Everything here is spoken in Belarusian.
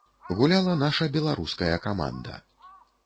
Гуляла наша беларуская каманда.